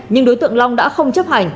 nhưng đối tượng long đã không chấp hành